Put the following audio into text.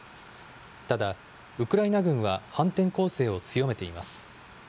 ただ、ウクライナ軍は反転攻勢を強めています。